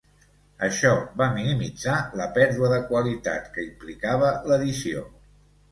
Això va minimitzar la pèrdua de qualitat que implicava l'edició.